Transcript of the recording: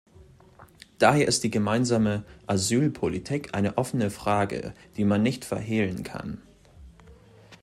Daher ist die gemeinsame Asylpolitik eine offene Frage, die man nicht verhehlen kann.